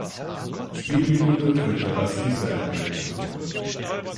Spielminute für Kebba Ceesay eingewechselt wurde.